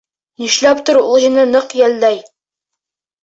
Нишләптер ул һине ныҡ йәлләй.